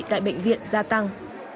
tại bệnh viện gia tăng